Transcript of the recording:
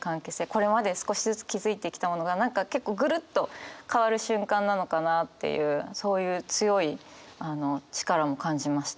これまで少しずつ築いてきたものが結構ぐるっと変わる瞬間なのかなっていうそういう強い力も感じました。